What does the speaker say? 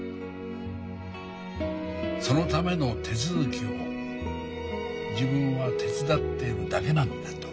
そのための手続きを自分は手伝っているだけなんだと。